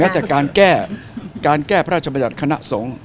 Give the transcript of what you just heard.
แม้จากการแก้พระราชบัญชาติคณะสงฆ์